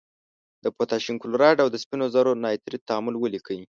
د پوتاشیم کلورایډ او د سپینو زور نایتریت تعامل ولیکئ.